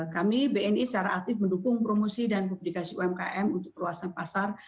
kami bni secara aktif mendukung promosi dan publikasi umkm untuk perluasan pasar